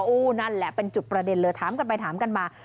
นั่นแหละเป็นจุดประเด็นเลยถามกันไปถามกันมา